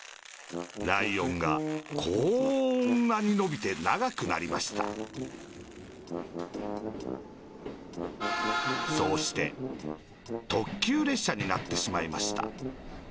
ライオンがこんなにのびてながくなりましたそしてとっきゅうれっしゃになってしまいました。